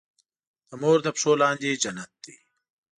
د مور د پښو لاندې جنت دی.